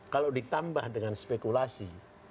kalau ditambah dengan spekulasi